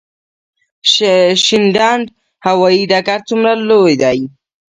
شینډنډ هوايي ډګر څومره لوی دی؟